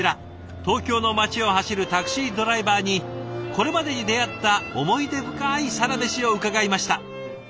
東京の街を走るタクシードライバーにこれまでに出会った思い出深いサラメシを伺いました。